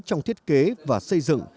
trong thiết kế và xây dựng